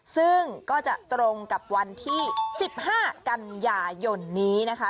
ซึ่งก็จะตรงกับวันที่๑๕กันยายนนี้นะคะ